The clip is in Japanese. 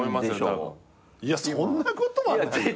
いやそんなことはないよ。